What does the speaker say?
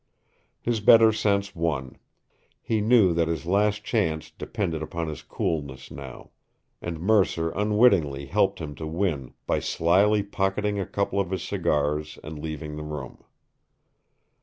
His better sense won. He knew that his last chance depended upon his coolness now. And Mercer unwittingly helped him to win by slyly pocketing a couple of his cigars and leaving the room.